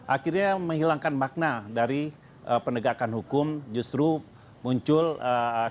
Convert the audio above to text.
akhirnya menghilangkan makna dari penegakan hukum justru muncul stigma stigma politis